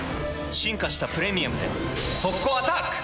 進化した「プレミアム」で速攻アタック！